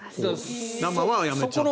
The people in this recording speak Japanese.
生はやめちゃってますね。